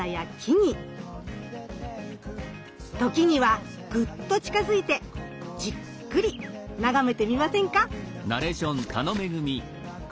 時にはグッと近づいてじっくり眺めてみませんか。